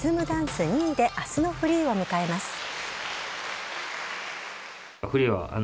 ダンス２位で明日のフリーを迎えます。